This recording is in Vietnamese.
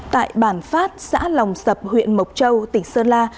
tại bản phát xã lòng sập huyện mộc châu tỉnh sơn la